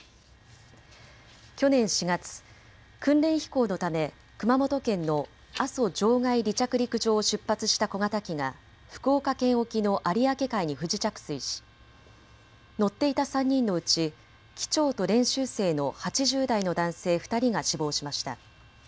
去年４月、訓練飛行のため熊本県の阿蘇場外離着陸場を出発した小型機が福岡県沖の有明海に不時着水し乗っていた３人のうち機長と練習生の８０代の男性２人が死亡しました。